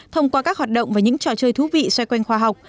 thông qua các hoạt động và những trò chơi thú vị xoay quanh khoa học